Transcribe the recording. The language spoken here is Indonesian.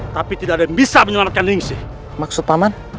tapi tidak ada yang bisa menyelamatkan ningsih maksud paman